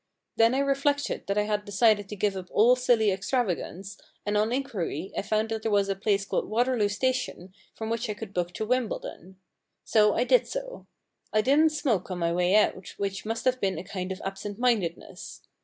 Then I reflected that I had decided to give up all silly extravagance, and on inquiry I found that there was a place called Waterloo Station from which I could book to Wimbledon. So I did so. I didn't smoke on my way out, which must have been a kind of absent mindedness.